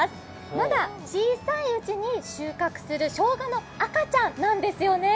まだ小さいうちに収穫するしょうがの赤ちゃんなんですよね。